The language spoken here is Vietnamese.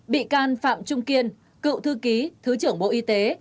bị can phạm trung kiên cựu thư ký thứ trưởng bộ y tế